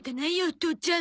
父ちゃん。